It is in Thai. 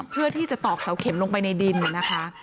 เพื่อที่จะตอกเสาเข็มลงไปในดินนะคะ